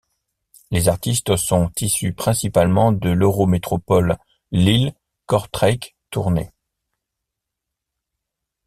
Les artistes sont issus principalement de l’Eurométropole Lille-Kortrijk-Tournai.